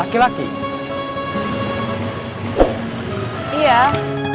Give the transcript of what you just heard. jadi kita ke objektv terakhir